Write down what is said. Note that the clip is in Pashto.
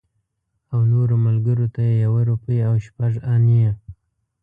او نورو ملګرو ته یې یوه روپۍ او شپږ انې.